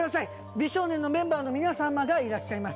美少年のメンバーの皆様がいらっしゃいます。